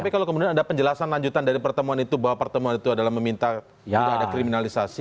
tapi kalau kemudian ada penjelasan lanjutan dari pertemuan itu bahwa pertemuan itu adalah meminta tidak ada kriminalisasi